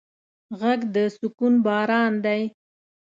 غږ د سکون باران دی